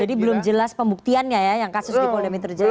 jadi belum jelas pembuktiannya ya yang kasus di polda metro jaya ya